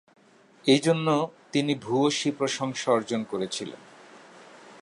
এইজন্য তিনি ভূয়সী প্রশংসা অর্জন করেছিলেন।